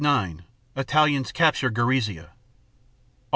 9 Italians capture Gorizia. Aug.